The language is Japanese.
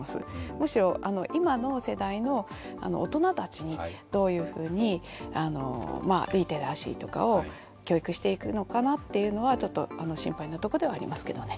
むしろ今の世代の大人たちにどういうふうにリテラシーとかを教育していくのかなというのはちょっと心配なところではありますけどね。